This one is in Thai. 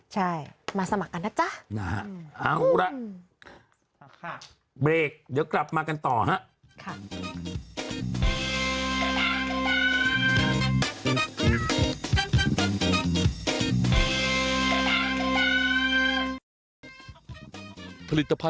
ใช่มาสมัครกันนะจ๊ะ